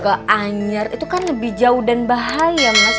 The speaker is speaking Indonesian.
ke anyar itu kan lebih jauh dan bahaya mas